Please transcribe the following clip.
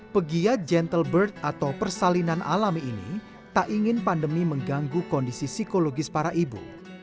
pegiat gentle bird atau persalinan alami ini tak ingin pandemi mengganggu kondisi psikologis para ibu